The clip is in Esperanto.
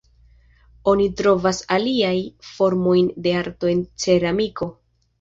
Oni trovas aliaj formojn de arto en ceramiko.